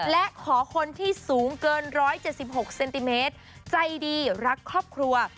และขอคนที่สูงเกิน๑๗๖เซนติเมตรใจดีรักครอบครัว